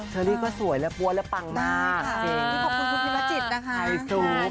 เชอรี่ก็สวยและปวดและปังหน้าได้ค่ะจริงขอบคุณคุณพี่วจิตนะคะ